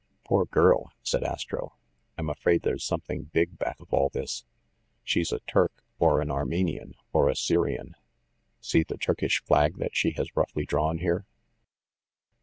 "Poor girl!" said Astro. "I'm afraid there's some thing big back of all this. She's a Turk, or an Ar 174 THE MASTER OF MYSTERIES menian, or a Syrian. See the Turkish flag that she has roughly drawn here?